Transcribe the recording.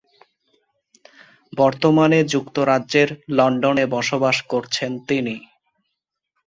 বর্তমানে যুক্তরাজ্যের লন্ডনে বসবাস করছেন তিনি।